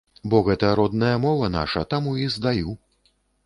Бо гэта родная мова наша, таму і здаю.